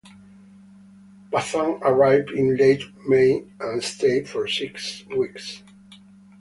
Pathan arrived in late-May and stayed for six weeks.